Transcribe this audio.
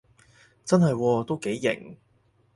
真係喎，都幾型